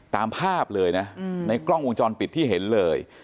ตามภาพเลยนะในกล้องวงจรปิดที่เห็นเลย